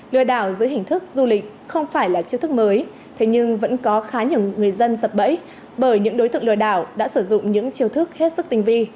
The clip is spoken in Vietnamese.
lừa đảo dưới hình thức du lịch không phải là chiêu thức mới thế nhưng vẫn có khá nhiều người dân sập bẫy bởi những đối tượng lừa đảo đã sử dụng những chiêu thức hết sức tinh vi